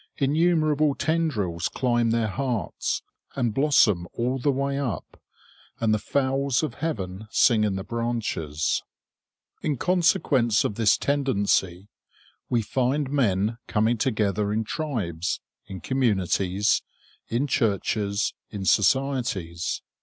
Innumerable tendrils climb their hearts, and blossom all the way up; and the fowls of heaven sing in the branches. In consequence of this tendency, we find men coming together in tribes, in communities, in churches, in societies.